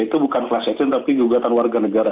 itu bukan kelas action tapi gugatan warga negara